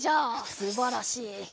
すばらしい。